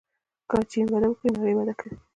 که چین وده وکړي نړۍ وده کوي.